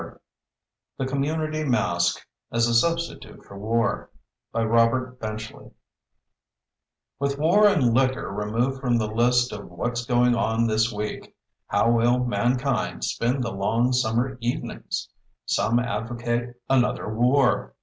XII THE COMMUNITY MASQUE AS A SUBSTITUTE FOR WAR With War and Licker removed from the list of "What's Going on This Week," how will mankind spend the long summer evenings? Some advocate another war.